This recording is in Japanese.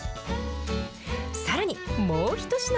さらに、もう一品。